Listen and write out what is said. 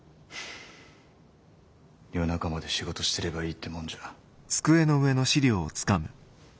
夜中まで仕事してればいいってもんじゃ。